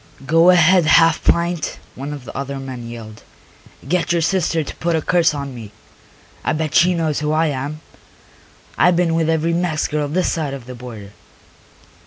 "Go ahead, half pint," one of the other men yelled. "Get your sister to put a curse on me. I bet she knows who I am; I been with every Mex girl this side of the border."